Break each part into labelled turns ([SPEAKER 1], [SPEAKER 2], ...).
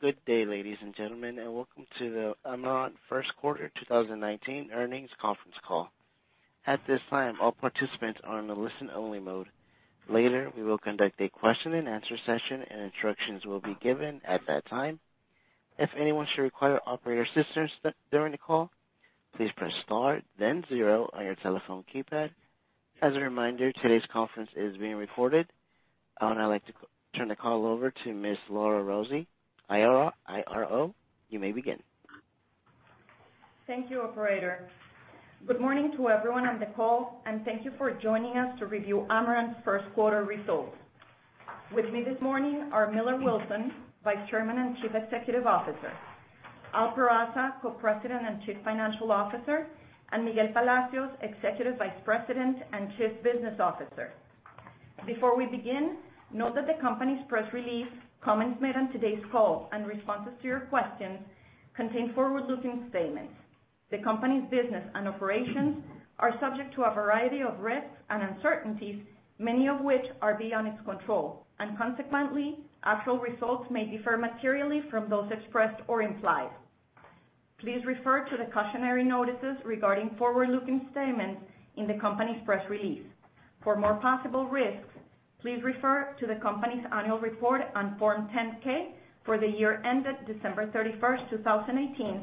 [SPEAKER 1] Good day, ladies and gentlemen, and welcome to the Amerant first quarter 2019 earnings conference call. At this time, all participants are in a listen-only mode. Later, we will conduct a question-and-answer session, and instructions will be given at that time. If anyone should require operator assistance during the call, please press star then zero on your telephone keypad. As a reminder, today's conference is being recorded. I would now like to turn the call over to Ms. Laura Rossi, IRO. You may begin.
[SPEAKER 2] Thank you, operator. Good morning to everyone on the call, and thank you for joining us to review Amerant's first quarter results. With me this morning are Millar Wilson, Vice Chairman and Chief Executive Officer, Alberto Peraza, Co-President and Chief Financial Officer, and Miguel Palacios, Executive Vice President and Chief Business Officer. Before we begin, note that the company's press release, comments made on today's call, and responses to your questions contain forward-looking statements. The company's business and operations are subject to a variety of risks and uncertainties, many of which are beyond its control. Consequently, actual results may differ materially from those expressed or implied. Please refer to the cautionary notices regarding forward-looking statements in the company's press release. For more possible risks, please refer to the company's annual report on Form 10-K for the year ended December 31st, 2018,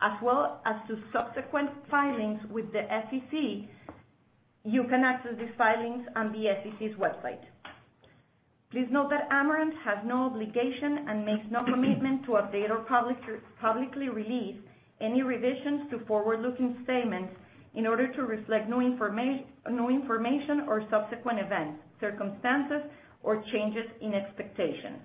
[SPEAKER 2] as well as to subsequent filings with the SEC. You can access these filings on the SEC's website. Please note that Amerant has no obligation and makes no commitment to update or publicly release any revisions to forward-looking statements in order to reflect new information or subsequent events, circumstances, or changes in expectations.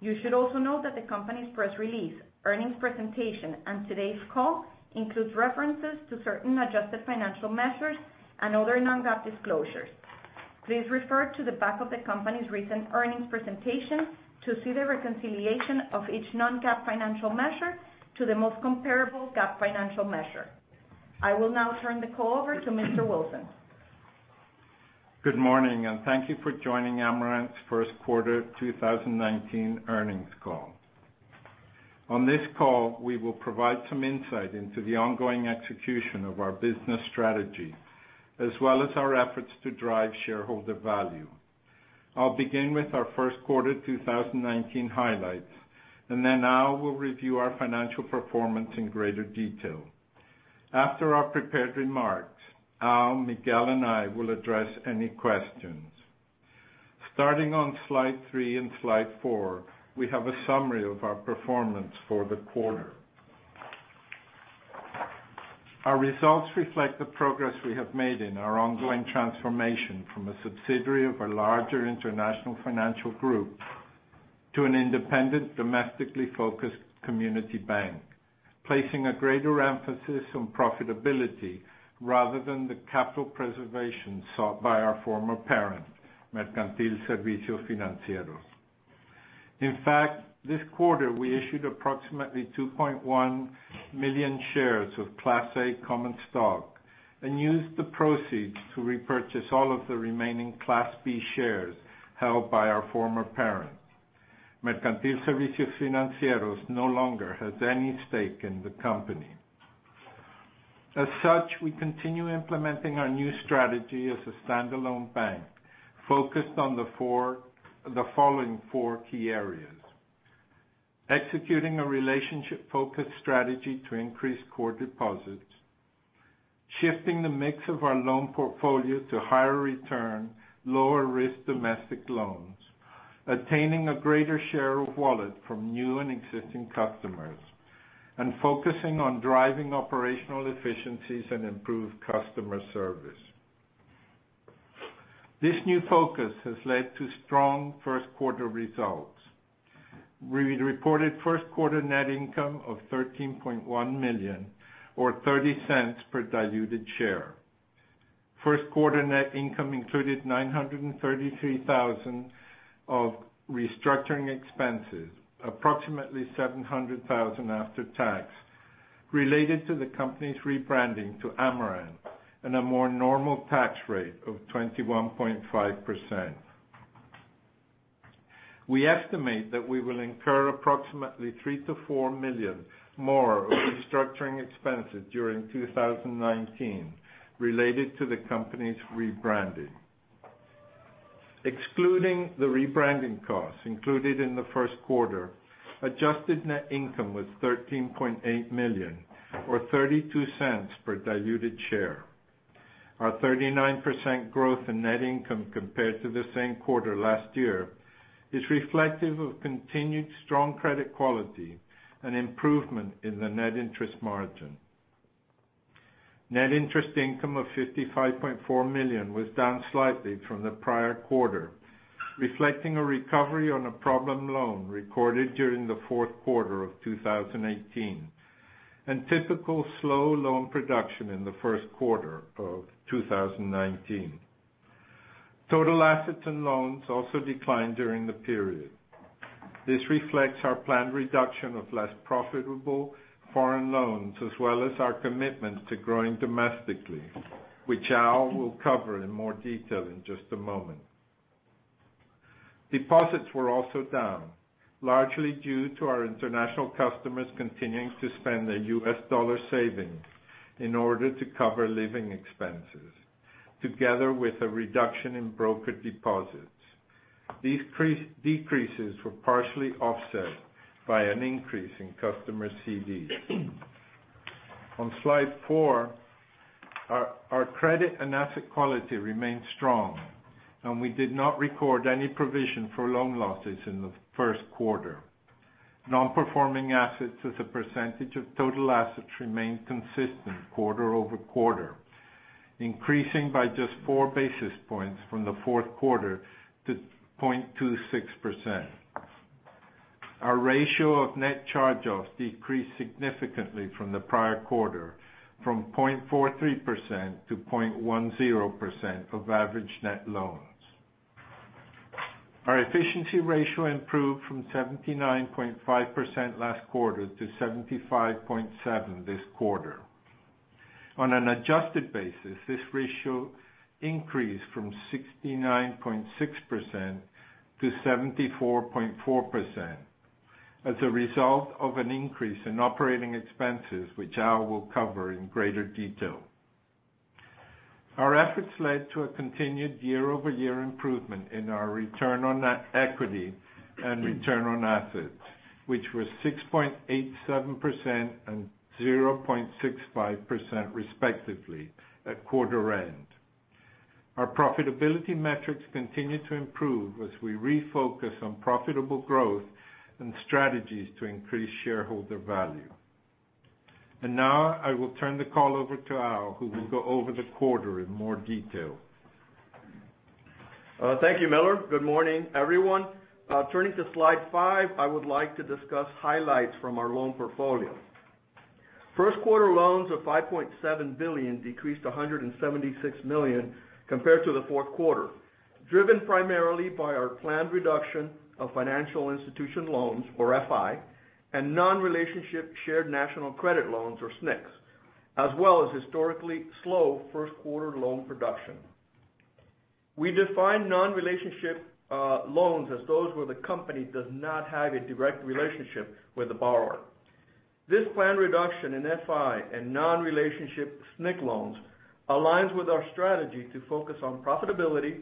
[SPEAKER 2] You should also note that the company's press release, earnings presentation, and today's call includes references to certain adjusted financial measures and other non-GAAP disclosures. Please refer to the back of the company's recent earnings presentation to see the reconciliation of each non-GAAP financial measure to the most comparable GAAP financial measure. I will now turn the call over to Mr. Wilson.
[SPEAKER 3] Good morning, and thank you for joining Amerant's first quarter 2019 earnings call. On this call, we will provide some insight into the ongoing execution of our business strategy, as well as our efforts to drive shareholder value. I'll begin with our first quarter 2019 highlights, then Al will review our financial performance in greater detail. After our prepared remarks, Al, Miguel, and I will address any questions. Starting on slide three and slide four, we have a summary of our performance for the quarter. Our results reflect the progress we have made in our ongoing transformation from a subsidiary of a larger international financial group to an independent, domestically focused community bank, placing a greater emphasis on profitability rather than the capital preservation sought by our former parent, Mercantil Servicios Financieros. In fact, this quarter, we issued approximately 2.1 million shares of Class A common stock and used the proceeds to repurchase all of the remaining Class B shares held by our former parent. Mercantil Servicios Financieros no longer has any stake in the company. As such, we continue implementing our new strategy as a standalone bank focused on the following four key areas: executing a relationship-focused strategy to increase core deposits, shifting the mix of our loan portfolio to higher return, lower risk domestic loans, attaining a greater share of wallet from new and existing customers, and focusing on driving operational efficiencies and improved customer service. This new focus has led to strong first quarter results. We reported first quarter net income of $13.1 million or $0.30 per diluted share. First quarter net income included $933,000 of restructuring expenses, approximately $700,000 after tax, related to the company's rebranding to Amerant, and a more normal tax rate of 21.5%. We estimate that we will incur approximately $3 million-$4 million more of restructuring expenses during 2019 related to the company's rebranding. Excluding the rebranding costs included in the first quarter, adjusted net income was $13.8 million or $0.32 per diluted share. Our 39% growth in net income compared to the same quarter last year is reflective of continued strong credit quality and improvement in the net interest margin. Net interest income of $55.4 million was down slightly from the prior quarter, reflecting a recovery on a problem loan recorded during the fourth quarter of 2018 and typical slow loan production in the first quarter of 2019. Total assets and loans also declined during the period. This reflects our planned reduction of less profitable foreign loans, as well as our commitment to growing domestically, which Al will cover in more detail in just a moment. Deposits were also down, largely due to our international customers continuing to spend their U.S. dollar savings in order to cover living expenses, together with a reduction in broker deposits. These decreases were partially offset by an increase in customer CDs. On slide four, our credit and asset quality remains strong, and we did not record any provision for loan losses in the first quarter. Non-performing assets as a percentage of total assets remained consistent quarter-over-quarter, increasing by just four basis points from the fourth quarter to 0.26%. Our ratio of net charge-offs decreased significantly from the prior quarter, from 0.43% to 0.10% of average net loans. Our efficiency ratio improved from 79.5% last quarter to 75.7% this quarter. On an adjusted basis, this ratio increased from 69.6% to 74.4%, as a result of an increase in operating expenses, which Al will cover in greater detail. Our efforts led to a continued year-over-year improvement in our return on equity and return on assets, which were 6.87% and 0.65% respectively at quarter end. Our profitability metrics continue to improve as we refocus on profitable growth and strategies to increase shareholder value. Now I will turn the call over to Al, who will go over the quarter in more detail.
[SPEAKER 4] Thank you, Millar. Good morning, everyone. Turning to slide five, I would like to discuss highlights from our loan portfolio. First quarter loans of $5.7 billion decreased $176 million compared to the fourth quarter, driven primarily by our planned reduction of financial institution loans, or FI, and non-relationship Shared National Credit loans, or SNCs, as well as historically slow first quarter loan production. We define non-relationship loans as those where the company does not have a direct relationship with the borrower. This planned reduction in FI and non-relationship SNC loans aligns with our strategy to focus on profitability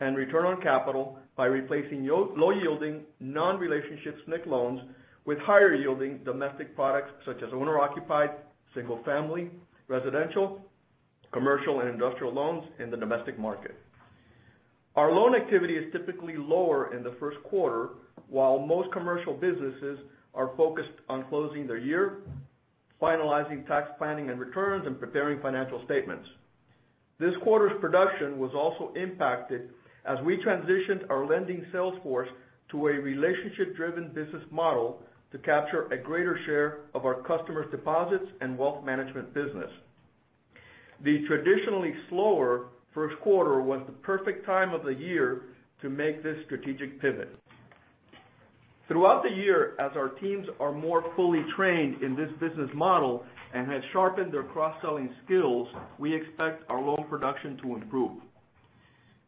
[SPEAKER 4] and return on capital by replacing low-yielding non-relationship SNC loans with higher yielding domestic products such as owner-occupied, single-family residential, commercial, and industrial loans in the domestic market. Our loan activity is typically lower in the first quarter while most commercial businesses are focused on closing their year, finalizing tax planning and returns, and preparing financial statements. This quarter's production was also impacted as we transitioned our lending sales force to a relationship-driven business model to capture a greater share of our customers' deposits and wealth management business. The traditionally slower first quarter was the perfect time of the year to make this strategic pivot. Throughout the year, as our teams are more fully trained in this business model and have sharpened their cross-selling skills, we expect our loan production to improve.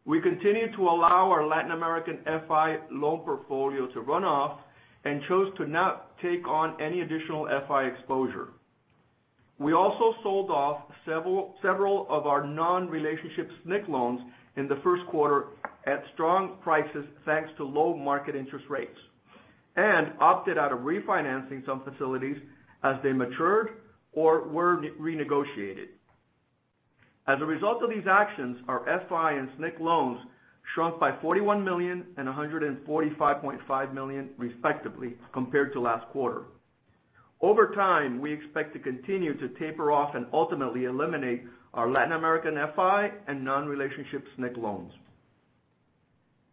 [SPEAKER 4] We continue to allow our Latin American FI loan portfolio to run off and chose to not take on any additional FI exposure. We also sold off several of our non-relationship SNC loans in the first quarter at strong prices, thanks to low market interest rates, and opted out of refinancing some facilities as they matured or were renegotiated. As a result of these actions, our FI and SNC loans shrunk by $41 million and $145.5 million respectively compared to last quarter. Over time, we expect to continue to taper off and ultimately eliminate our Latin American FI and non-relationship SNC loans.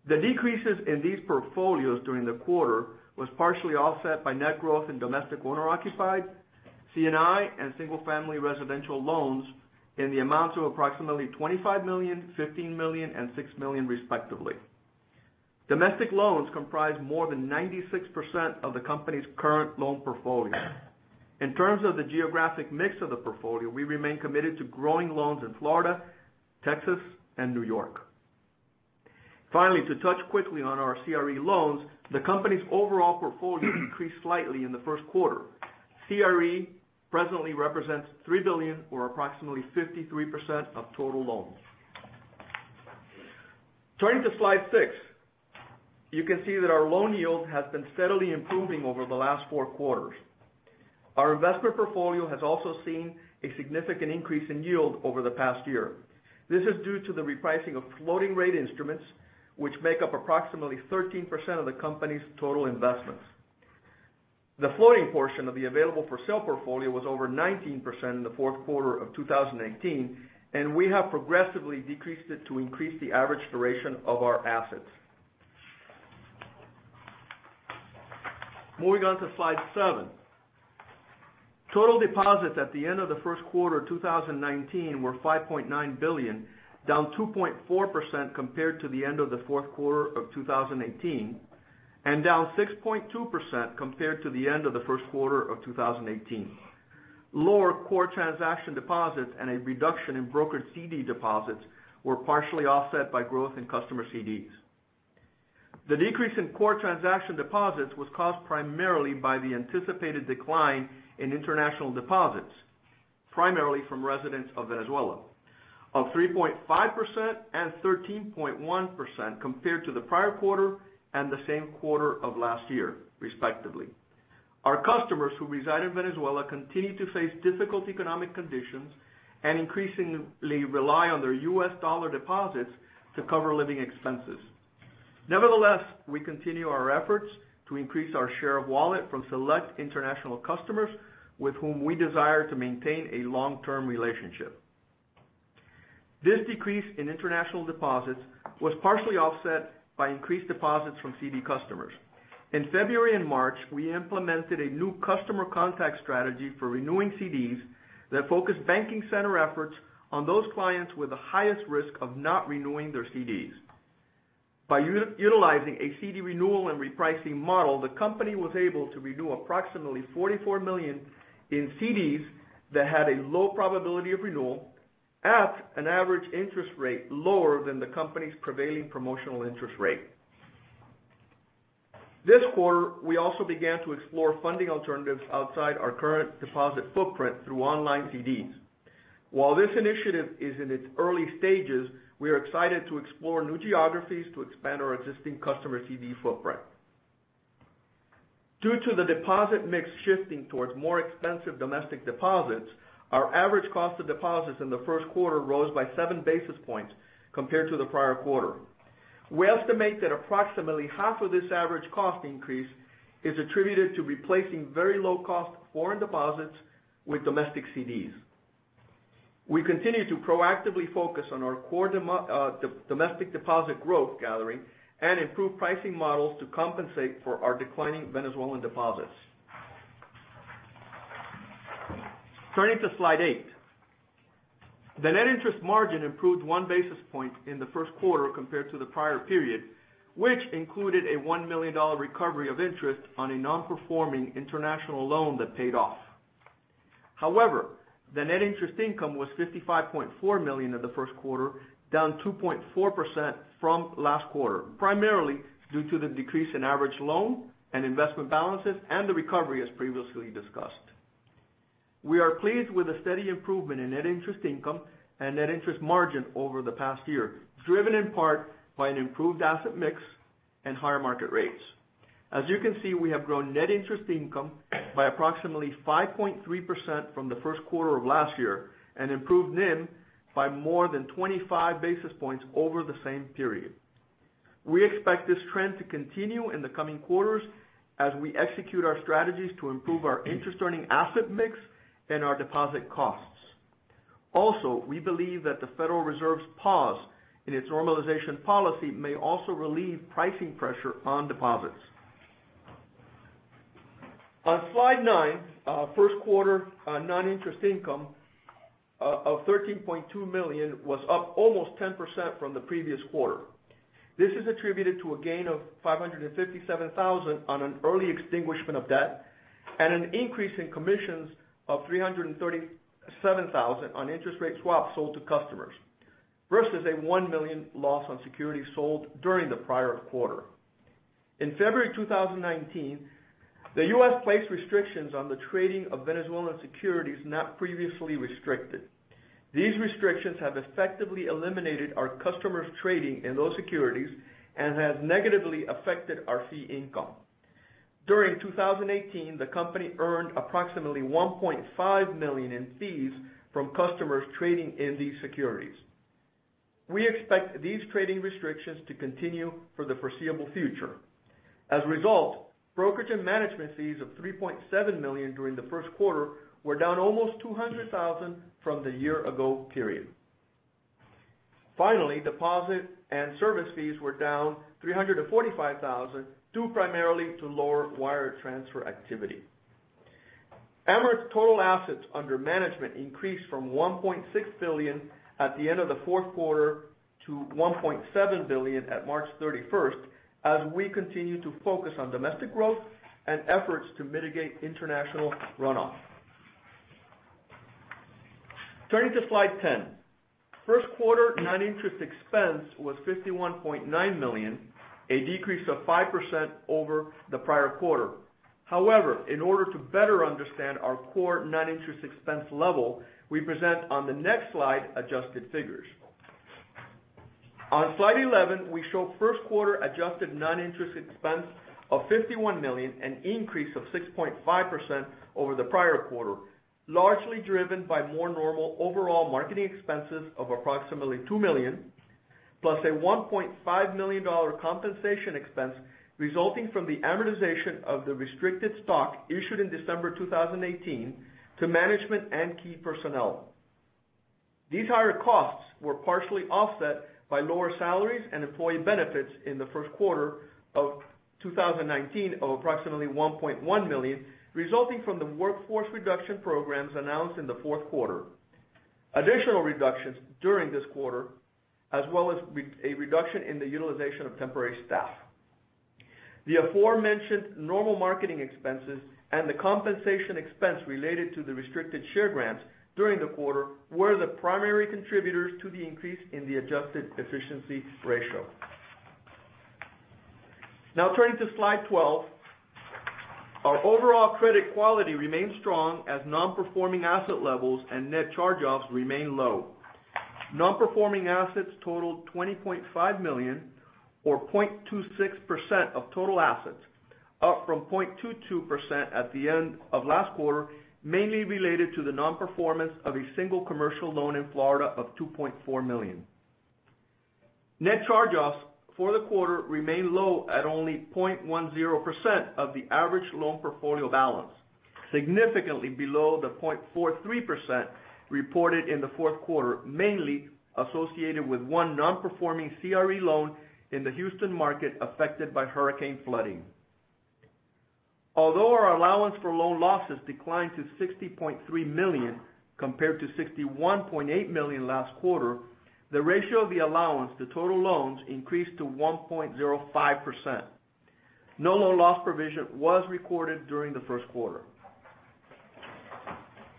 [SPEAKER 4] The decreases in these portfolios during the quarter was partially offset by net growth in domestic owner-occupied C&I and single-family residential loans in the amounts of approximately $25 million, $15 million, and $6 million respectively. Domestic loans comprise more than 96% of the company's current loan portfolio. In terms of the geographic mix of the portfolio, we remain committed to growing loans in Florida, Texas, and New York. Finally, to touch quickly on our CRE loans, the company's overall portfolio increased slightly in the first quarter. CRE presently represents $3 billion or approximately 53% of total loans. Turning to slide six, you can see that our loan yield has been steadily improving over the last four quarters. Our investment portfolio has also seen a significant increase in yield over the past year. This is due to the repricing of floating rate instruments, which make up approximately 13% of the company's total investments. The floating portion of the available-for-sale portfolio was over 19% in the fourth quarter of 2018, and we have progressively decreased it to increase the average duration of our assets. Moving on to slide seven. Total deposits at the end of the first quarter 2019 were $5.9 billion, down 2.4% compared to the end of the fourth quarter of 2018. Down 6.2% compared to the end of the first quarter of 2018. Lower core transaction deposits and a reduction in brokered CD deposits were partially offset by growth in customer CDs. The decrease in core transaction deposits was caused primarily by the anticipated decline in international deposits, primarily from residents of Venezuela, of 3.5% and 13.1% compared to the prior quarter and the same quarter of last year, respectively. Our customers who reside in Venezuela continue to face difficult economic conditions and increasingly rely on their U.S. dollar deposits to cover living expenses. Nevertheless, we continue our efforts to increase our share of wallet from select international customers with whom we desire to maintain a long-term relationship. This decrease in international deposits was partially offset by increased deposits from CD customers. In February and March, we implemented a new customer contact strategy for renewing CDs that focus banking center efforts on those clients with the highest risk of not renewing their CDs. By utilizing a CD renewal and repricing model, the company was able to renew approximately $44 million in CDs that had a low probability of renewal at an average interest rate lower than the company's prevailing promotional interest rate. This quarter, we also began to explore funding alternatives outside our current deposit footprint through online CDs. While this initiative is in its early stages, we are excited to explore new geographies to expand our existing customer CD footprint. Due to the deposit mix shifting towards more expensive domestic deposits, our average cost of deposits in the first quarter rose by seven basis points compared to the prior quarter. We estimate that approximately half of this average cost increase is attributed to replacing very low-cost foreign deposits with domestic CDs. We continue to proactively focus on our core domestic deposit growth gathering and improve pricing models to compensate for our declining Venezuelan deposits. Turning to Slide 8. The net interest margin improved one basis point in the first quarter compared to the prior period, which included a $1 million recovery of interest on a non-performing international loan that paid off. However, the net interest income was $55.4 million in the first quarter, down 2.4% from last quarter, primarily due to the decrease in average loan and investment balances and the recovery as previously discussed. We are pleased with the steady improvement in net interest income and net interest margin over the past year, driven in part by an improved asset mix and higher market rates. As you can see, we have grown net interest income by approximately 5.3% from the first quarter of last year and improved NIM by more than 25 basis points over the same period. We expect this trend to continue in the coming quarters as we execute our strategies to improve our interest earning asset mix and our deposit costs. Also, we believe that the Federal Reserve's pause in its normalization policy may also relieve pricing pressure on deposits. On Slide 9, first quarter non-interest income of $13.2 million was up almost 10% from the previous quarter. This is attributed to a gain of $557,000 on an early extinguishment of debt and an increase in commissions of $337,000 on interest rate swaps sold to customers. Versus a $1 million loss on security sold during the prior quarter. In February 2019, the U.S. placed restrictions on the trading of Venezuelan securities not previously restricted. These restrictions have effectively eliminated our customers trading in those securities and has negatively affected our fee income. During 2018, the company earned approximately $1.5 million in fees from customers trading in these securities. We expect these trading restrictions to continue for the foreseeable future. As a result, brokerage and management fees of $3.7 million during the first quarter were down almost $200,000 from the year ago period. Finally, deposit and service fees were down $345,000, due primarily to lower wire transfer activity. Amerant total assets under management increased from $1.6 billion at the end of the fourth quarter to $1.7 billion at March 31st as we continue to focus on domestic growth and efforts to mitigate international runoff. Turning to Slide 10. First quarter non-interest expense was $51.9 million, a decrease of 5% over the prior quarter. In order to better understand our core non-interest expense level, we present on the next slide adjusted figures. On Slide 11, we show first quarter adjusted non-interest expense of $51 million, an increase of 6.5% over the prior quarter. Largely driven by more normal overall marketing expenses of approximately $2 million, plus a $1.5 million compensation expense resulting from the amortization of the restricted stock issued in December 2018 to management and key personnel. These higher costs were partially offset by lower salaries and employee benefits in the first quarter of 2019 of approximately $1.1 million, resulting from the workforce reduction programs announced in the fourth quarter. Additional reductions during this quarter, as well as a reduction in the utilization of temporary staff. The aforementioned normal marketing expenses and the compensation expense related to the restricted share grants during the quarter were the primary contributors to the increase in the adjusted efficiency ratio. Turning to Slide 12. Our overall credit quality remains strong as non-performing asset levels and net charge-offs remain low. Non-performing assets totaled $20.5 million or 0.26% of total assets, up from 0.22% at the end of last quarter, mainly related to the non-performance of a single commercial loan in Florida of $2.4 million. Net charge-offs for the quarter remained low at only 0.10% of the average loan portfolio balance, significantly below the 0.43% reported in the fourth quarter, mainly associated with one non-performing CRE loan in the Houston market affected by hurricane flooding. Although our allowance for loan losses declined to $60.3 million compared to $61.8 million last quarter, the ratio of the allowance to total loans increased to 1.05%. No loan loss provision was recorded during the first quarter.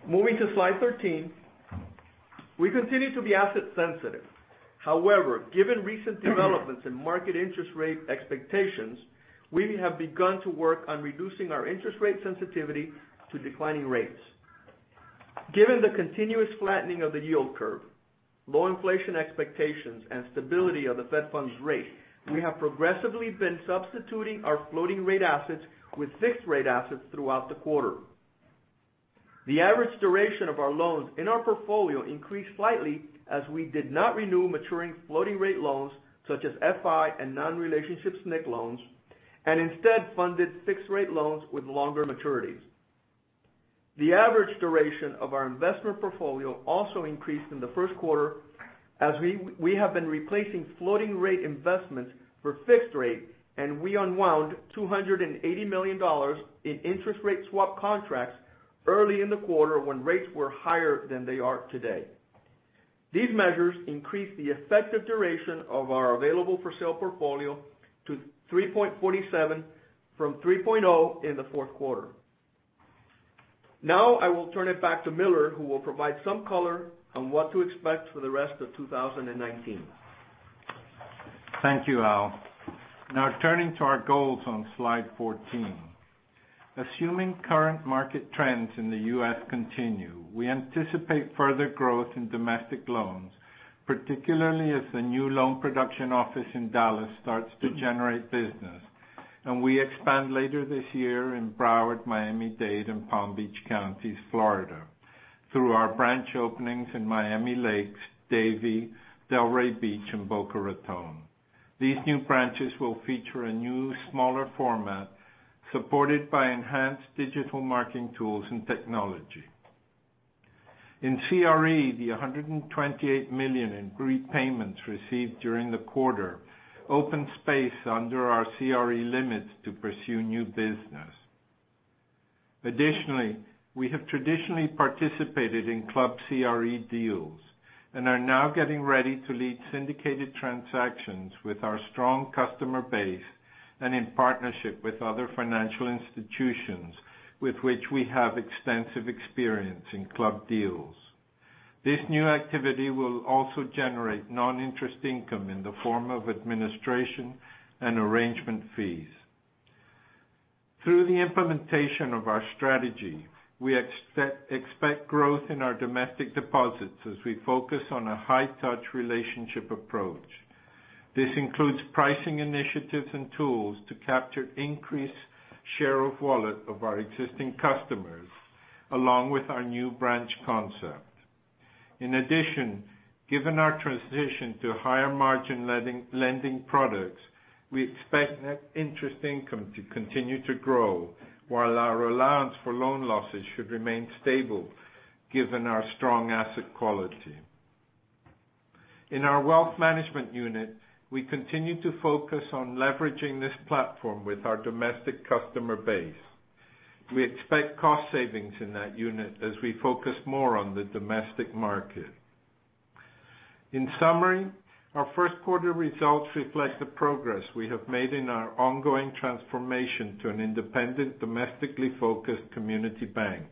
[SPEAKER 4] Moving to Slide 13. We continue to be asset sensitive. Given recent developments in market interest rate expectations, we have begun to work on reducing our interest rate sensitivity to declining rates. Given the continuous flattening of the yield curve, low inflation expectations, and stability of the Fed funds rate, we have progressively been substituting our floating rate assets with fixed rate assets throughout the quarter. The average duration of our loans in our portfolio increased slightly as we did not renew maturing floating rate loans such as FI and non-relationship SNC loans, and instead funded fixed rate loans with longer maturities. The average duration of our investment portfolio also increased in the first quarter as we have been replacing floating rate investments for fixed rate, and we unwound $280 million in interest rate swap contracts early in the quarter when rates were higher than they are today. These measures increased the effective duration of our available for sale portfolio to 3.47 from 3.0 in the fourth quarter. I will turn it back to Millar, who will provide some color on what to expect for the rest of 2019.
[SPEAKER 3] Thank you, Al. Turning to our goals on slide 14. Assuming current market trends in the U.S. continue, we anticipate further growth in domestic loans, particularly as the new loan production office in Dallas starts to generate business. We expand later this year in Broward, Miami-Dade, and Palm Beach Counties, Florida, through our branch openings in Miami Lakes, Davie, Delray Beach, and Boca Raton. These new branches will feature a new, smaller format supported by enhanced digital marketing tools and technology. In CRE, the $128 million in repayments received during the quarter opened space under our CRE limits to pursue new business. Additionally, we have traditionally participated in club CRE deals and are now getting ready to lead syndicated transactions with our strong customer base and in partnership with other financial institutions with which we have extensive experience in club deals. This new activity will also generate non-interest income in the form of administration and arrangement fees. Through the implementation of our strategy, we expect growth in our domestic deposits as we focus on a high touch relationship approach. This includes pricing initiatives and tools to capture increased share of wallet of our existing customers, along with our new branch concept. In addition, given our transition to higher margin lending products, we expect net interest income to continue to grow while our allowance for loan losses should remain stable given our strong asset quality. In our wealth management unit, we continue to focus on leveraging this platform with our domestic customer base. We expect cost savings in that unit as we focus more on the domestic market. In summary, our first quarter results reflect the progress we have made in our ongoing transformation to an independent, domestically focused community bank.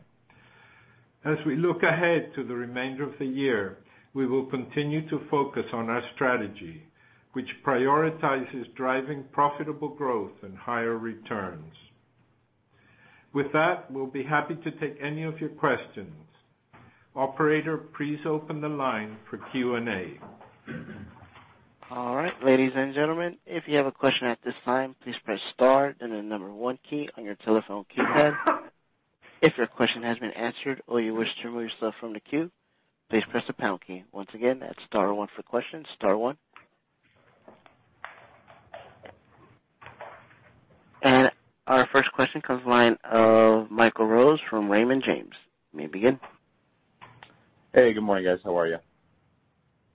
[SPEAKER 3] We look ahead to the remainder of the year, we will continue to focus on our strategy, which prioritizes driving profitable growth and higher returns. With that, we'll be happy to take any of your questions. Operator, please open the line for Q&A.
[SPEAKER 1] All right. Ladies and gentlemen, if you have a question at this time, please press star and the number 1 key on your telephone keypad. If your question has been answered or you wish to remove yourself from the queue, please press the pound key. Once again, that's star 1 for questions. Star 1. Our first question comes line of Michael Rose from Raymond James. You may begin.
[SPEAKER 5] Hey, good morning, guys. How are you?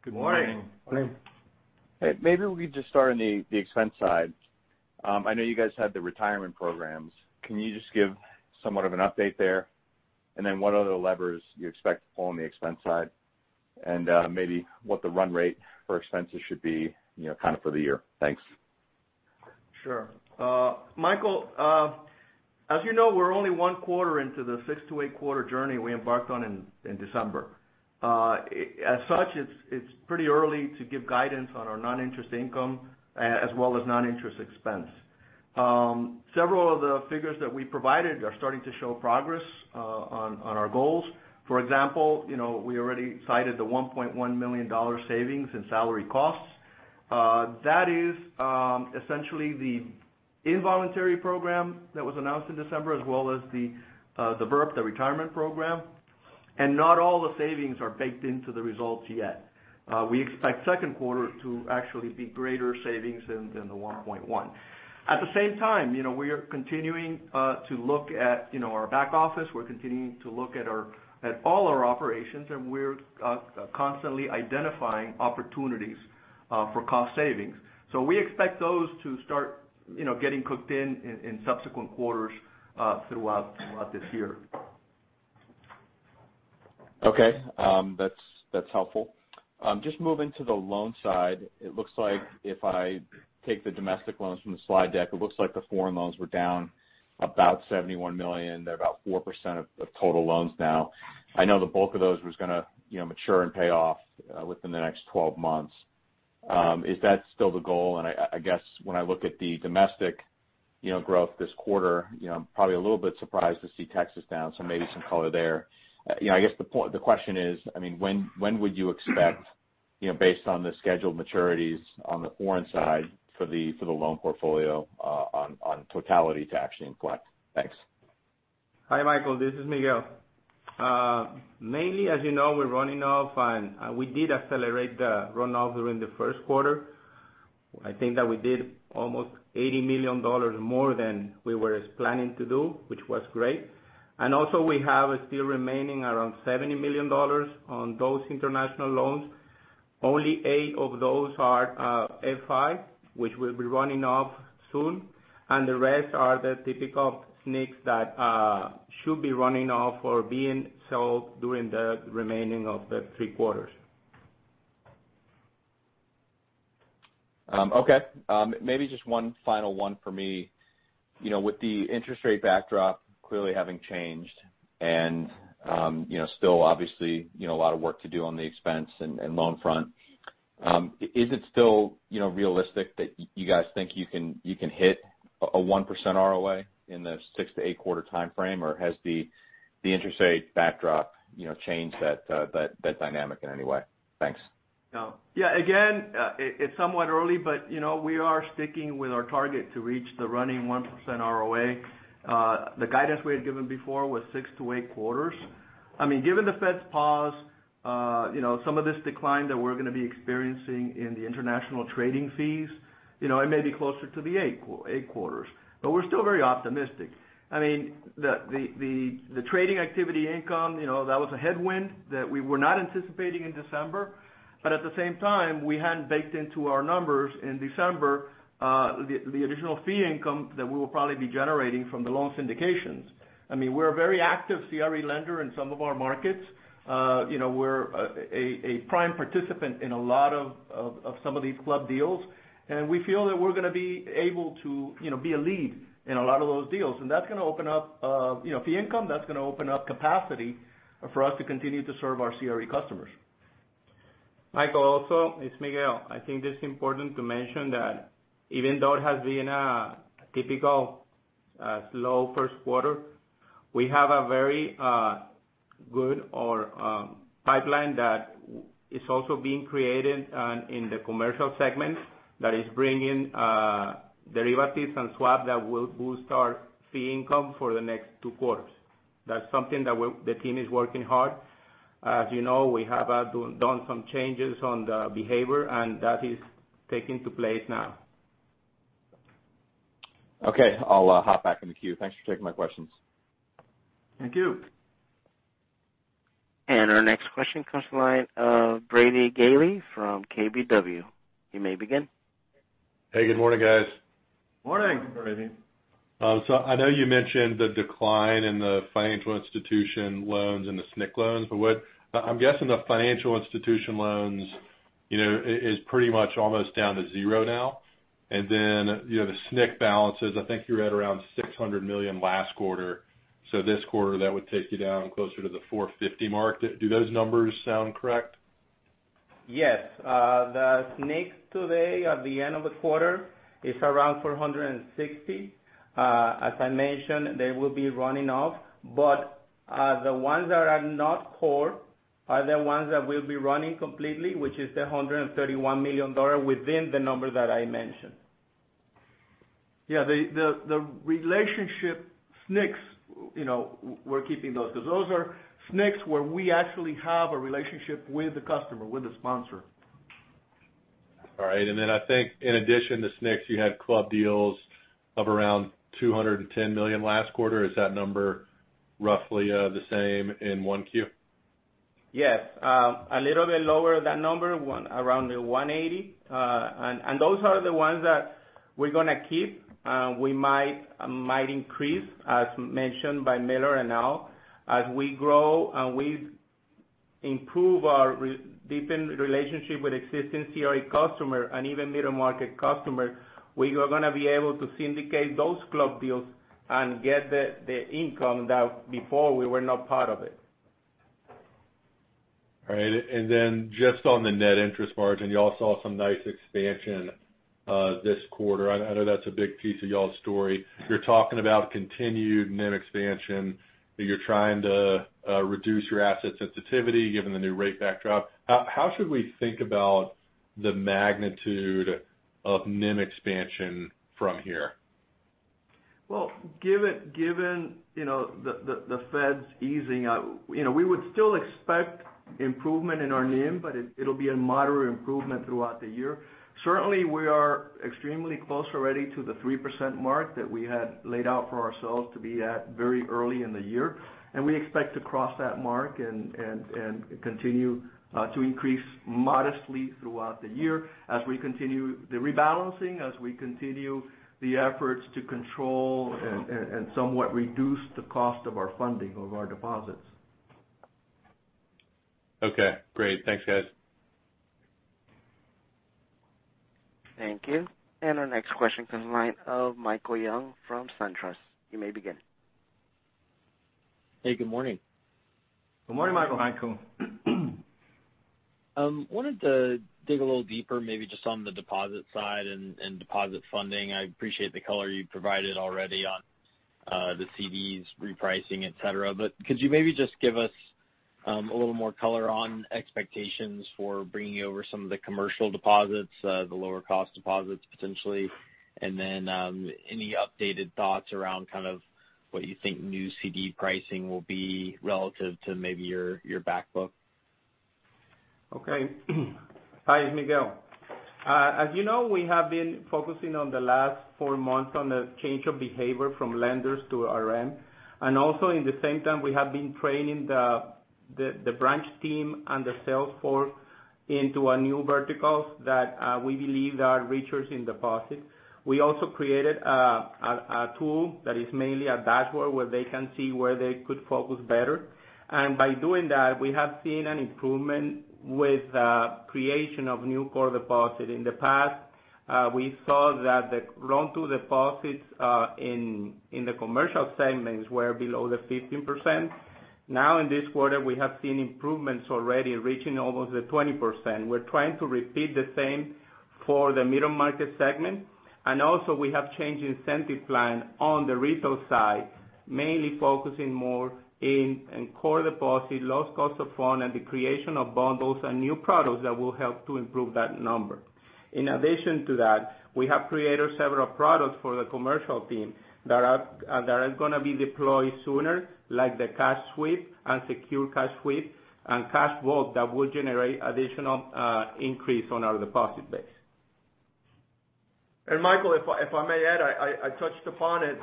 [SPEAKER 4] Good morning.
[SPEAKER 6] Good morning.
[SPEAKER 5] Maybe we could just start on the expense side. I know you guys had the retirement programs. Can you just give somewhat of an update there? What other levers you expect to pull on the expense side? Maybe what the run rate for expenses should be for the year. Thanks.
[SPEAKER 4] Sure. Michael, as you know, we're only one quarter into the six to eight quarter journey we embarked on in December. As such, it's pretty early to give guidance on our non-interest income as well as non-interest expense. Several of the figures that we provided are starting to show progress on our goals. For example, we already cited the $1.1 million savings in salary costs. That is essentially the involuntary program that was announced in December as well as the VERP, the retirement program. Not all the savings are baked into the results yet. We expect second quarter to actually be greater savings than the 1.1. At the same time, we are continuing to look at our back office. We're continuing to look at all our operations. We're constantly identifying opportunities for cost savings. We expect those to start getting cooked in in subsequent quarters throughout this year.
[SPEAKER 5] Okay. That's helpful. Just moving to the loan side, it looks like if I take the domestic loans from the slide deck, it looks like the foreign loans were down about $71 million. They're about 4% of total loans now. I know the bulk of those was going to mature and pay off within the next 12 months. Is that still the goal? I guess when I look at the domestic growth this quarter, I'm probably a little bit surprised to see Texas down, so maybe some color there. I guess the question is, when would you expect based on the scheduled maturities on the foreign side for the loan portfolio on totality to actually inflict? Thanks.
[SPEAKER 6] Hi, Michael. This is Miguel. Mainly, as you know, we're running off, we did accelerate the runoff during the first quarter. I think that we did almost $80 million more than we were planning to do, which was great. Also we have still remaining around $70 million on those international loans. Only eight of those are FI, which will be running off soon, and the rest are the typical SNCs that should be running off or being sold during the remaining of the three quarters.
[SPEAKER 5] Okay. Maybe just one final one for me. With the interest rate backdrop clearly having changed and still obviously a lot of work to do on the expense and loan front, is it still realistic that you guys think you can hit a 1% ROA in the six to eight quarter time frame? Has the interest rate backdrop changed that dynamic in any way? Thanks.
[SPEAKER 4] No. Yeah, again, it's somewhat early, but we are sticking with our target to reach the running 1% ROA. The guidance we had given before was six to eight quarters. Given the Fed's pause, some of this decline that we're going to be experiencing in the international trading fees, it may be closer to the eight quarters. We're still very optimistic. The trading activity income that was a headwind that we were not anticipating in December. At the same time, we hadn't baked into our numbers in December the additional fee income that we will probably be generating from the loan syndications. We're a very active CRE lender in some of our markets. We're a prime participant in a lot of some of these club deals. We feel that we're going to be able to be a lead in a lot of those deals. That's going to open up fee income. That's going to open up capacity for us to continue to serve our CRE customers.
[SPEAKER 6] Michael, also, it's Miguel. I think it's important to mention that even though it has been a typical slow first quarter, we have a very good pipeline that is also being created in the commercial segment that is bringing derivatives and swap that will boost our fee income for the next two quarters. That's something that the team is working hard. As you know, we have done some changes on the behavior, that is taking place now.
[SPEAKER 5] Okay. I'll hop back in the queue. Thanks for taking my questions.
[SPEAKER 4] Thank you.
[SPEAKER 1] Our next question comes from the line of Brady Gailey from KBW. You may begin.
[SPEAKER 7] Hey, good morning, guys.
[SPEAKER 4] Morning. Morning.
[SPEAKER 7] I know you mentioned the decline in the financial institution loans and the SNC loans. I'm guessing the financial institution loans is pretty much almost down to zero now. The SNC balances, I think you had around $600 million last quarter. This quarter, that would take you down closer to the $450 mark. Do those numbers sound correct?
[SPEAKER 6] Yes. The SNC today at the end of the quarter is around $460. As I mentioned, they will be running off. The ones that are not core are the ones that will be running completely, which is the $131 million within the number that I mentioned.
[SPEAKER 4] Yeah, the relationship SNCs we're keeping those because those are SNCs where we actually have a relationship with the customer, with the sponsor.
[SPEAKER 7] All right. Then I think in addition to SNCs, you had club deals of around $210 million last quarter. Is that number roughly the same in 1Q?
[SPEAKER 6] Yes. A little bit lower than number, around $180. Those are the ones that we're going to keep. We might increase, as mentioned by Millar and Al, as we grow and we improve our deepened relationship with existing CRA customer and even middle-market customer, we are going to be able to syndicate those club deals and get the income that before we were not part of it.
[SPEAKER 7] All right. Then just on the net interest margin, you all saw some nice expansion this quarter. I know that's a big piece of you all's story. You're talking about continued NIM expansion. You're trying to reduce your asset sensitivity given the new rate backdrop. How should we think about the magnitude of NIM expansion from here?
[SPEAKER 4] Well, given the Feds easing, we would still expect improvement in our NIM, but it'll be a moderate improvement throughout the year. Certainly, we are extremely close already to the 3% mark that we had laid out for ourselves to be at very early in the year. We expect to cross that mark and continue to increase modestly throughout the year as we continue the rebalancing, as we continue the efforts to control and somewhat reduce the cost of our funding of our deposits.
[SPEAKER 7] Okay, great. Thanks, guys.
[SPEAKER 1] Thank you. Our next question comes the line of Michael Young from SunTrust. You may begin.
[SPEAKER 8] Hey, good morning.
[SPEAKER 7] Good morning, Michael. Hi.
[SPEAKER 8] Wanted to dig a little deeper, maybe just on the deposit side and deposit funding. I appreciate the color you provided already on the CDs, repricing, et cetera. Could you maybe just give us a little more color on expectations for bringing over some of the commercial deposits, the lower cost deposits, potentially? Then any updated thoughts around what you think new CD pricing will be relative to maybe your back book?
[SPEAKER 6] Okay. Hi, it's Miguel. As you know, we have been focusing on the last four months on the change of behavior from lenders to RM. Also in the same time, we have been training the branch team and the sales force into new verticals that we believe are richer in deposit. We also created a tool that is mainly a dashboard where they can see where they could focus better. By doing that, we have seen an improvement with creation of new core deposit. In the past, we saw that the run to deposits in the commercial segments were below the 15%. Now in this quarter, we have seen improvements already reaching almost the 20%. We're trying to repeat the same for the middle market segment. Also we have changed incentive plan on the retail side, mainly focusing more in core deposit, low cost of fund, and the creation of bundles and new products that will help to improve that number. In addition to that, we have created several products for the commercial team that are going to be deployed sooner, like the cash sweep and secure cash sweep and cash vault that will generate additional increase on our deposit base.
[SPEAKER 4] Michael, if I may add, I touched upon it,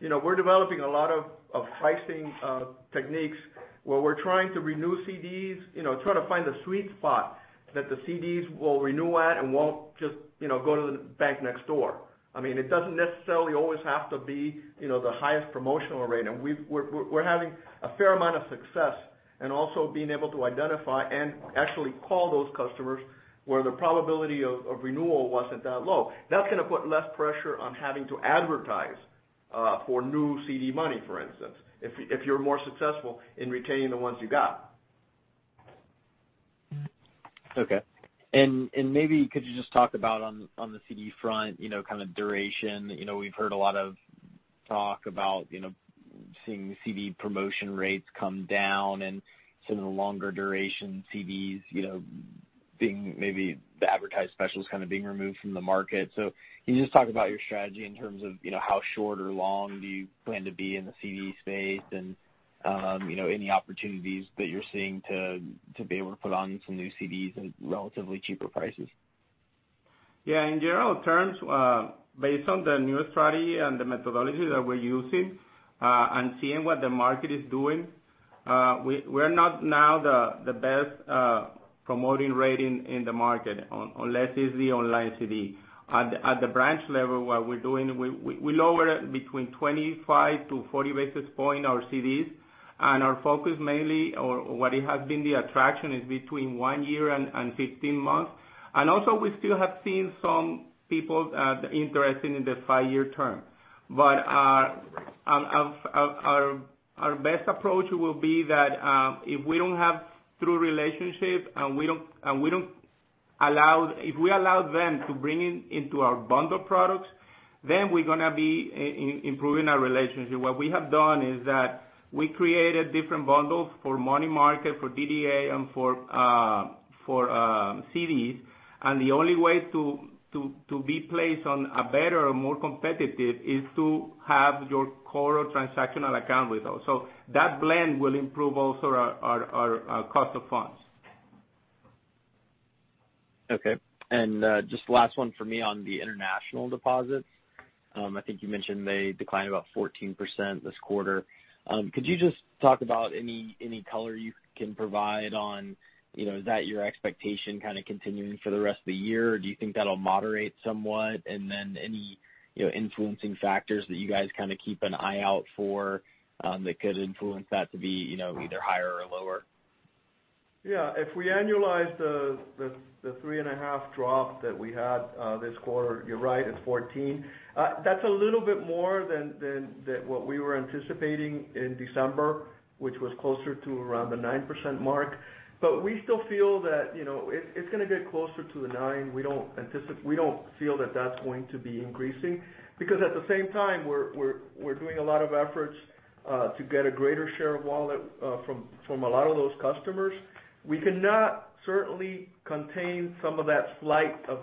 [SPEAKER 4] we're developing a lot of pricing techniques where we're trying to renew CDs, trying to find the sweet spot that the CDs will renew at and won't just go to the bank next door. It doesn't necessarily always have to be the highest promotional rate. We're having a fair amount of success and also being able to identify and actually call those customers where the probability of renewal wasn't that low. That's going to put less pressure on having to advertise for new CD money, for instance. If you're more successful in retaining the ones you got.
[SPEAKER 8] Okay. Maybe could you just talk about on the CD front, kind of duration. We've heard a lot of talk about seeing CD promotion rates come down and some of the longer duration CDs being maybe the advertised specials kind of being removed from the market. Can you just talk about your strategy in terms of how short or long do you plan to be in the CD space and any opportunities that you're seeing to be able to put on some new CDs at relatively cheaper prices?
[SPEAKER 6] Yeah, in general terms, based on the new strategy and the methodology that we're using, and seeing what the market is doing, we're not now the best promoting rate in the market unless it's the online CD. At the branch level, what we're doing, we lower between 25 to 40 basis points our CDs, and our focus mainly or what it has been the attraction is between one year and 15 months. Also we still have seen some people interested in the five-year term. Our best approach will be that if we don't have true relationship, and if we allow them to bring into our bundle products, then we're going to be improving our relationship. What we have done is that we created different bundles for money market, for DDA, and for CDs. The only way to be placed on a better or more competitive is to have your core transactional account with us. That blend will improve also our cost of funds.
[SPEAKER 8] Okay. Just the last one for me on the international deposits. I think you mentioned they declined about 14% this quarter. Could you just talk about any color you can provide on, is that your expectation kind of continuing for the rest of the year, or do you think that'll moderate somewhat? Then any influencing factors that you guys kind of keep an eye out for that could influence that to be either higher or lower?
[SPEAKER 6] Yeah. If we annualize the three and a half drop that we had this quarter, you're right, it's 14. That's a little bit more than what we were anticipating in December, which was closer to around the 9% mark. We still feel that it's going to get closer to the nine. We don't feel that that's going to be increasing because at the same time, we're doing a lot of efforts to get a greater share of wallet from a lot of those customers. We cannot certainly contain some of that flight of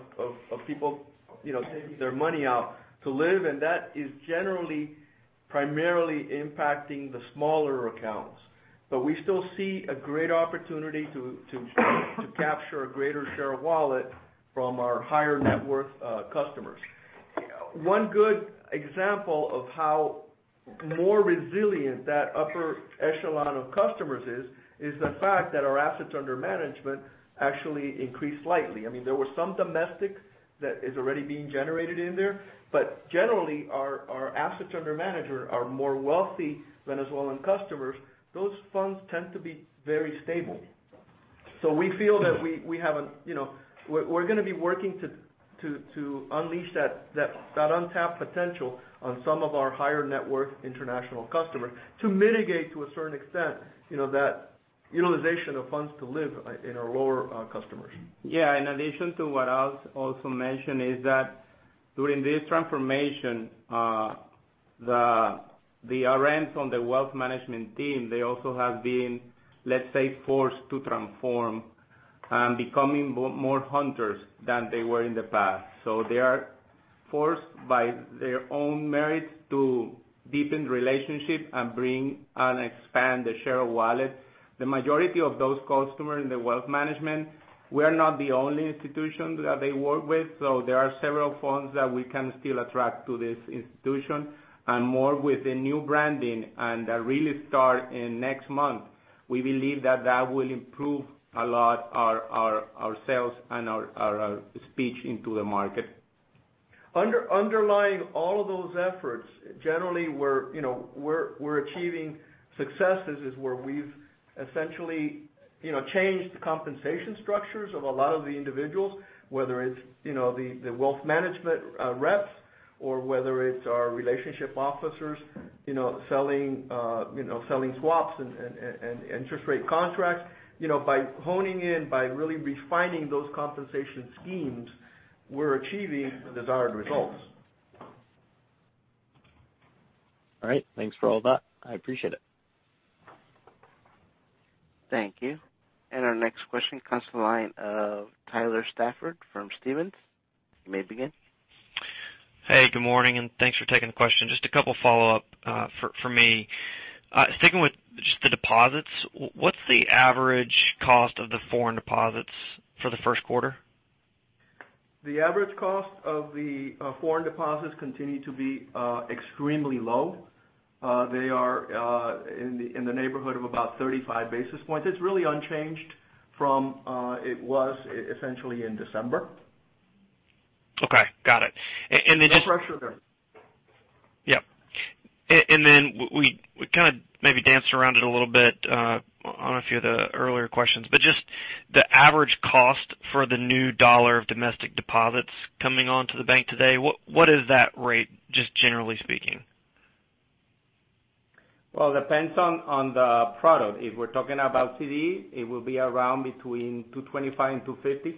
[SPEAKER 6] people taking their money out to live, and that is generally primarily impacting the smaller accounts. We still see a great opportunity to capture a greater share of wallet from our higher net worth customers. One good example of how more resilient that upper echelon of customers is the fact that our assets under management actually increased slightly. There was some domestic that is already being generated in there, but generally our assets under management are more wealthy Venezuelan customers. Those funds tend to be very stable. We feel that we're going to be working to unleash that untapped potential on some of our higher net worth international customers to mitigate to a certain extent, that utilization of funds to live in our lower customers. Yeah, in addition to what Al also mentioned is that during this transformation, the RMs on the wealth management team, they also have been, let's say, forced to transform and becoming more hunters than they were in the past. They are forced by their own merit to deepen relationship and bring and expand the share of wallet. The majority of those customers in the wealth management, we are not the only institution that they work with. There are several funds that we can still attract to this institution, and more with the new branding and that really start in next month. We believe that that will improve a lot our sales and our speech into the market. Underlying all of those efforts, generally we're achieving successes is where we've essentially changed the compensation structures of a lot of the individuals, whether it's the wealth management reps or whether it's our relationship officers selling swaps and interest rate contracts. By honing in, by really refining those compensation schemes, we're achieving the desired results.
[SPEAKER 8] All right. Thanks for all that. I appreciate it.
[SPEAKER 1] Thank you. Our next question comes to the line of Tyler Stafford from Stephens. You may begin.
[SPEAKER 9] Hey, good morning, and thanks for taking the question. Just a couple follow-up for me. Sticking with just the deposits, what's the average cost of the foreign deposits for the first quarter?
[SPEAKER 4] The average cost of the foreign deposits continue to be extremely low. They are in the neighborhood of about 35 basis points. It's really unchanged from it was essentially in December.
[SPEAKER 9] Okay. Got it.
[SPEAKER 4] No pressure there.
[SPEAKER 9] Yep. Then we kind of maybe danced around it a little bit on a few of the earlier questions, but just the average cost for the new dollar of domestic deposits coming onto the bank today, what is that rate, just generally speaking?
[SPEAKER 4] Well, depends on the product. If we're talking about CD, it will be around between 225 and 250.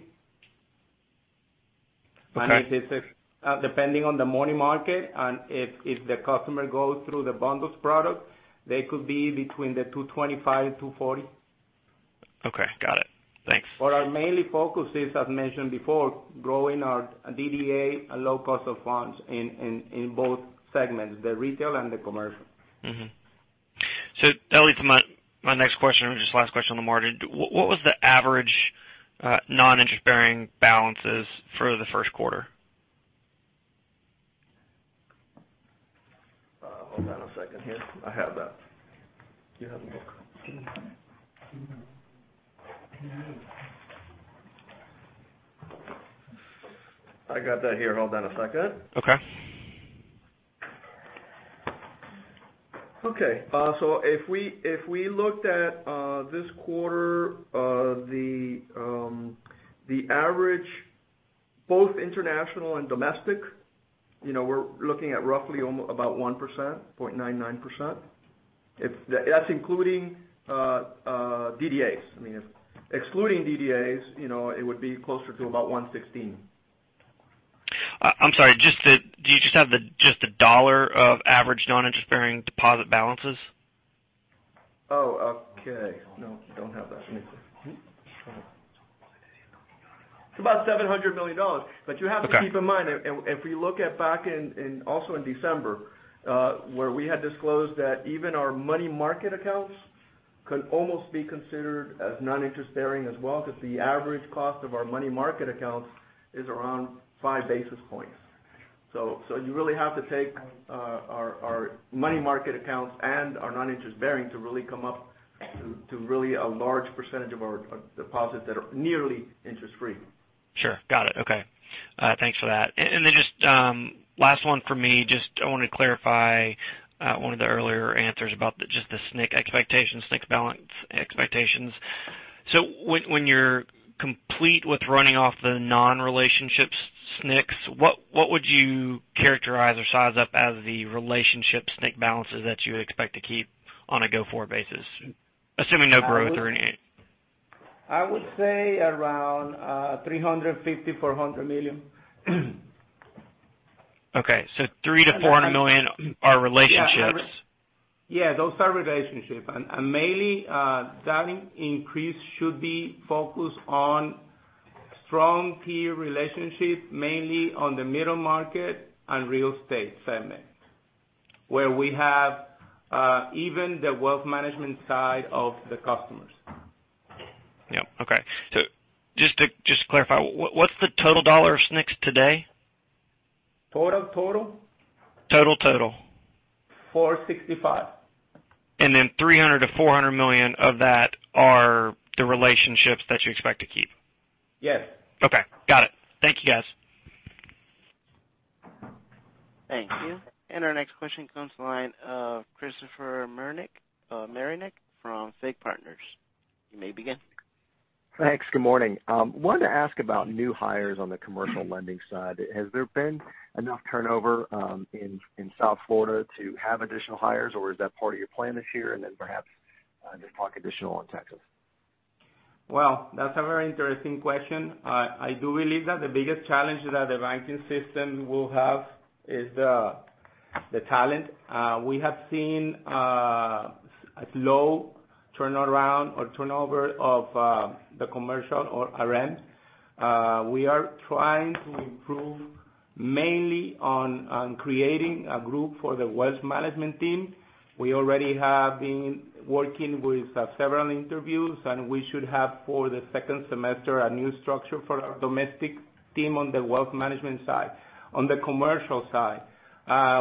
[SPEAKER 9] Okay.
[SPEAKER 4] If it's depending on the money market and if the customer goes through the bundles product, they could be between the 225 and 240.
[SPEAKER 9] Okay, got it. Thanks.
[SPEAKER 6] Our mainly focus is, as mentioned before, growing our DDA and low cost of funds in both segments, the retail and the commercial.
[SPEAKER 9] That leads to my next question, or just last question on the quarter. What was the average non-interest-bearing balances for the first quarter?
[SPEAKER 4] Hold on a second here. I have that. Do you have the book? I got that here. Hold on a second.
[SPEAKER 9] Okay.
[SPEAKER 4] If we looked at this quarter, the average both international and domestic, we're looking at roughly about 1%, 0.99%. That's including DDAs. Excluding DDAs, it would be closer to about 116.
[SPEAKER 9] I'm sorry, do you just have the dollar of average non-interest-bearing deposit balances?
[SPEAKER 4] Okay. No, don't have that. Let me see. It's about $700 million. Okay. You have to keep in mind, if we look at back in December, where we had disclosed that even our money market accounts could almost be considered as non-interest-bearing as well, because the average cost of our money market accounts is around five basis points. You really have to take our money market accounts and our non-interest-bearing to really come up to really a large percentage of our deposits that are nearly interest-free. Sure. Got it. Okay. Thanks for that. Just last one for me, I want to clarify, one of the earlier answers about just the SNC expectations, SNC balance expectations. When you are complete with running off the non-relationship SNCs, what would you characterize or size up as the relationship SNC balances that you would expect to keep on a go-forward basis, assuming no growth or any?
[SPEAKER 6] I would say around $350 million-$400 million.
[SPEAKER 9] $300 million-$400 million are relationships.
[SPEAKER 6] Yeah, those are relationships. Mainly, that increase should be focused on strong key relationships, mainly on the middle market and real estate segment, where we have even the wealth management side of the customers.
[SPEAKER 9] Yep. Okay. Just to clarify, what's the total dollar SNCs today?
[SPEAKER 6] Total, total?
[SPEAKER 9] Total, total.
[SPEAKER 6] $465.
[SPEAKER 9] $300 million-$400 million of that are the relationships that you expect to keep.
[SPEAKER 6] Yes. Okay. Got it. Thank you, guys.
[SPEAKER 1] Thank you. Our next question comes to the line of Christopher Marinac from FIG Partners. You may begin.
[SPEAKER 10] Thanks. Good morning. Wanted to ask about new hires on the commercial lending side. Has there been enough turnover in South Florida to have additional hires, or is that part of your plan this year? Then perhaps, just talk additional on Texas.
[SPEAKER 6] Well, that's a very interesting question. I do believe that the biggest challenge that the banking system will have is the talent. We have seen a slow turnaround or turnover of the commercial or RM. We are trying to improve mainly on creating a group for the wealth management team. We already have been working with several interviews, we should have for the second semester, a new structure for our domestic team on the wealth management side. On the commercial side,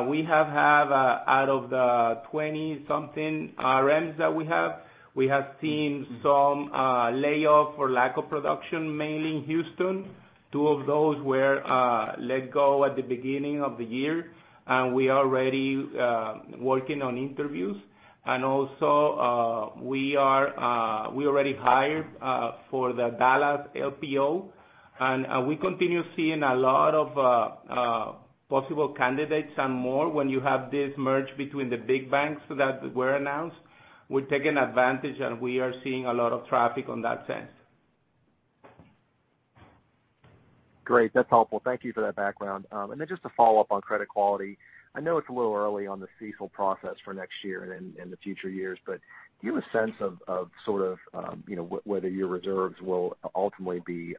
[SPEAKER 6] we have out of the 20 something RMs that we have, we have seen some layoff for lack of production, mainly in Houston. Two of those were let go at the beginning of the year. We are already working on interviews. Also, we already hired for the Dallas LPO, and we continue seeing a lot of possible candidates and more when you have this merge between the big banks that were announced. We're taking advantage, and we are seeing a lot of traffic on that sense.
[SPEAKER 10] Great. That's helpful. Thank you for that background. Just to follow up on credit quality. I know it's a little early on the CECL process for next year and the future years, but do you have a sense of sort of whether your reserves will ultimately be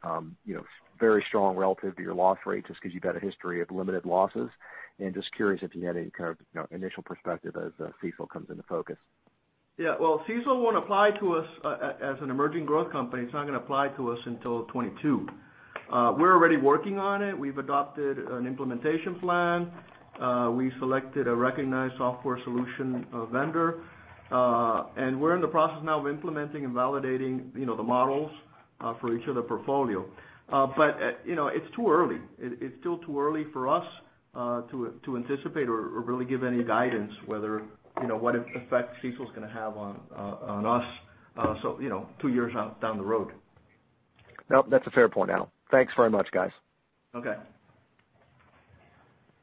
[SPEAKER 10] very strong relative to your loss rate, just because you've got a history of limited losses? Just curious if you had any kind of initial perspective as CECL comes into focus.
[SPEAKER 4] Yeah. Well, CECL won't apply to us as an emerging growth company. It's not going to apply to us until 2022. We're already working on it. We've adopted an implementation plan. We selected a recognized software solution vendor. We're in the process now of implementing and validating the models for each of the portfolio. It's too early. It's still too early for us to anticipate or really give any guidance whether what effect CECL is going to have on us two years down the road.
[SPEAKER 10] Nope, that's a fair point, Al. Thanks very much, guys.
[SPEAKER 4] Okay.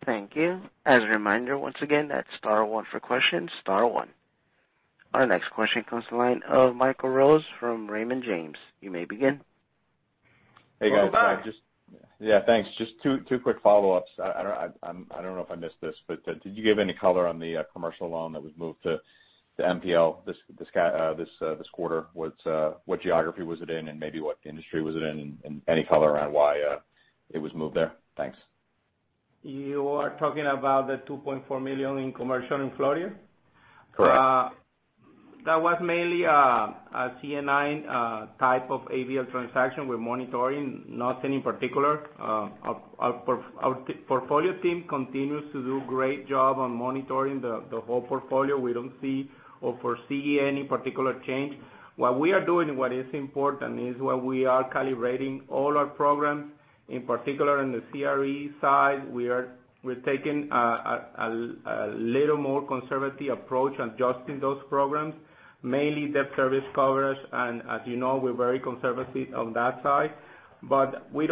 [SPEAKER 1] Thank you. As a reminder, once again, that's star one for questions. Star one. Our next question comes to the line of Michael Rose from Raymond James. You may begin.
[SPEAKER 6] Welcome back. Hey, guys. Yeah, thanks. Just two quick follow-ups. I don't know if I missed this, but did you give any color on the commercial loan that was moved to NPL this quarter? What geography was it in, and maybe what industry was it in, and any color around why it was moved there? Thanks. You are talking about the $2.4 million in commercial in Florida?
[SPEAKER 5] Correct.
[SPEAKER 6] That was mainly a C&I type of ABL transaction we're monitoring, nothing in particular. Our portfolio team continues to do a great job on monitoring the whole portfolio. We don't see or foresee any particular change. What we are doing and what is important is where we are calibrating all our programs. In particular, in the CRE side, we're taking a little more conservative approach on adjusting those programs, mainly debt service coverage. As you know, we're very conservative on that side. We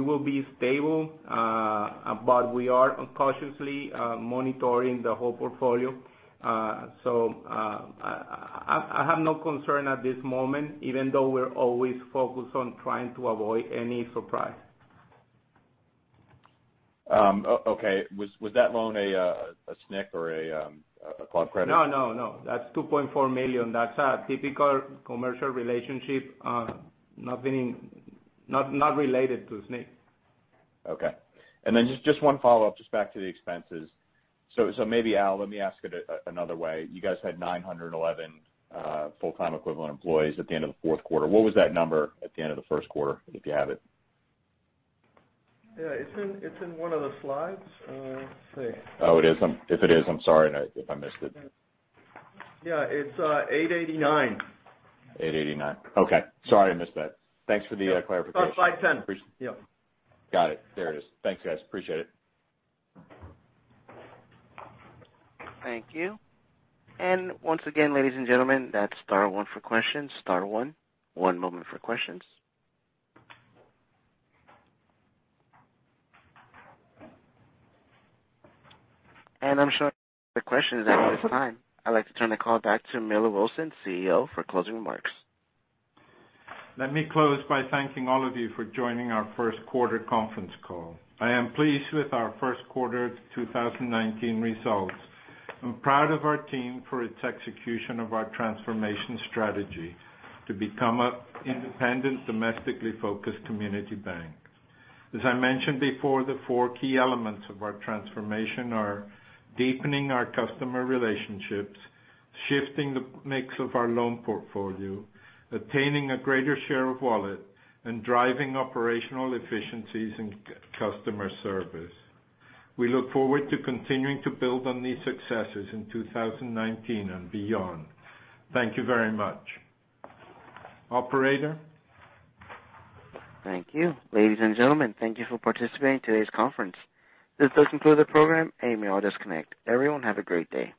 [SPEAKER 6] will be stable. We are cautiously monitoring the whole portfolio. I have no concern at this moment, even though we're always focused on trying to avoid any surprise.
[SPEAKER 5] Okay. Was that loan a SNC or a club credit?
[SPEAKER 3] No. That's $2.4 million. That's a typical commercial relationship, not related to SNC.
[SPEAKER 5] Okay. Just one follow-up, just back to the expenses. Maybe, Al, let me ask it another way. You guys had 911 full-time equivalent employees at the end of the fourth quarter. What was that number at the end of the first quarter, if you have it?
[SPEAKER 4] Yeah. It's in one of the slides. Let's see.
[SPEAKER 5] Oh, it is? If it is, I'm sorry if I missed it.
[SPEAKER 4] Yeah. It's 889.
[SPEAKER 5] 889. Okay. Sorry, I missed that. Thanks for the clarification.
[SPEAKER 4] On slide 10. Yep.
[SPEAKER 5] Got it. There it is. Thanks, guys. Appreciate it.
[SPEAKER 1] Thank you. Once again, ladies and gentlemen, that's star one for questions. Star one. One moment for questions. I'm showing no further questions at this time. I'd like to turn the call back to Millar Wilson, CEO, for closing remarks.
[SPEAKER 3] Let me close by thanking all of you for joining our first quarter conference call. I am pleased with our first quarter 2019 results and proud of our team for its execution of our transformation strategy to become an independent, domestically focused community bank. As I mentioned before, the four key elements of our transformation are deepening our customer relationships, shifting the mix of our loan portfolio, obtaining a greater share of wallet, and driving operational efficiencies in customer service. We look forward to continuing to build on these successes in 2019 and beyond. Thank you very much. Operator?
[SPEAKER 1] Thank you. Ladies and gentlemen, thank you for participating in today's conference. This does conclude the program. You may all disconnect. Everyone, have a great day.